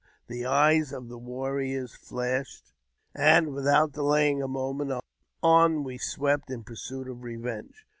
The eyes of the warriors flashed fire, and, without delaying a moment, on we swept in pursuit of revenge.